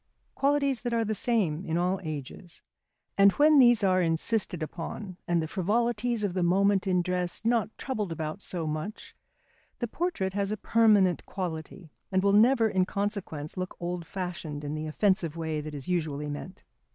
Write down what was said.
Qualities that are the same in all ages. And when these are insisted upon, and the frivolities of the moment in dress not troubled about so much, the portrait has a permanent quality, and will never in consequence look old fashioned in the offensive way that is usually meant.